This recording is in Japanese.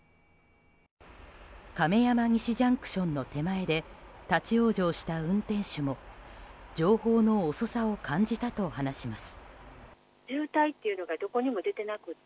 亀山西ＪＣＴの手前で立ち往生した運転手も情報の遅さを感じたと話します。